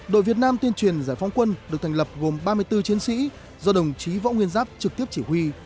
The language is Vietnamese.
đội việt nam tuyên truyền giải phóng quân được thành lập gồm ba mươi bốn chiến sĩ do đồng chí võ nguyên giáp trực tiếp chỉ huy